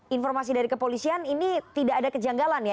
informasi dari kepolisian ini tidak ada kejanggalan ya